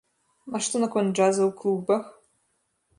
А што наконт джаза ў клубах?